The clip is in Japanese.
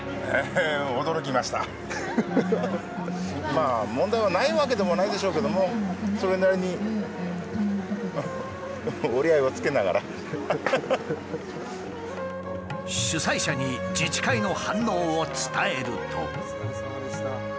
まあ問題はないわけでもないでしょうけども主催者に自治会の反応を伝えると。